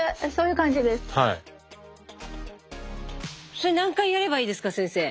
それ何回やればいいですか先生。